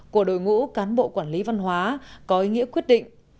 của đội ngũ cán bộ quản lý văn hóa có ý nghĩa quyết định